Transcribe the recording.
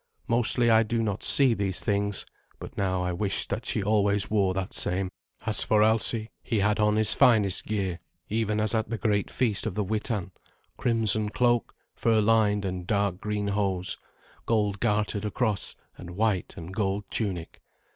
Mostly I do not see these things, but now I wished that she always wore that same. As for Alsi, he had on his finest gear, even as at the great feast of the Witan crimson cloak, fur lined, and dark green hose, gold gartered across, and white and gold tunic.